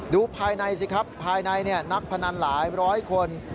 ดูภายในสิครับภายในนักพนันหลายร้อยคน